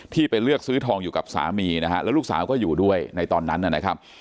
ไปเลือกซื้อทองอยู่กับสามีนะฮะแล้วลูกสาวก็อยู่ด้วยในตอนนั้นนะครับ